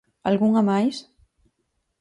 ¿Algunha máis?